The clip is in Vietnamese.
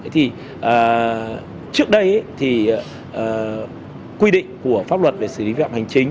thì trước đây thì quy định của pháp luật về xử lý việc hành chính